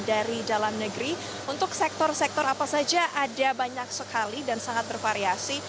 dari dalam negeri untuk sektor sektor apa saja ada banyak sekali dan sangat bervariasi